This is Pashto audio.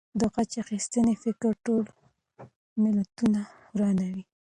د غچ اخیستنې فکر ټول ملتونه ورانوي.